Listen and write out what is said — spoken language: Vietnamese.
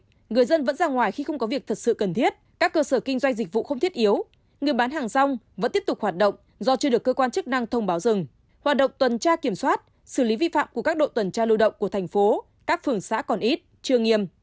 tuy nhiên người dân vẫn ra ngoài khi không có việc thật sự cần thiết các cơ sở kinh doanh dịch vụ không thiết yếu người bán hàng rong vẫn tiếp tục hoạt động do chưa được cơ quan chức năng thông báo dừng hoạt động tuần tra kiểm soát xử lý vi phạm của các đội tuần tra lưu động của thành phố các phường xã còn ít chưa nghiêm